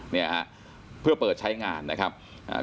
เนี่ยฮะเพื่อเปิดใช้งานนะครับอ่า